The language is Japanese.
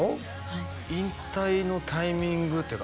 はい引退のタイミングっていうか